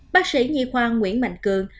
bác sĩ nhi khoan nguyễn mạnh cường